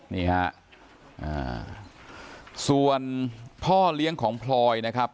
นี่ฮะส่วนพ่อเลี้ยงของพลอยนะครับ